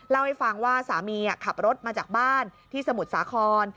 เล่าให้ฟังว่าสามีขับรถมาจากบ้านที่สมุทรสาคร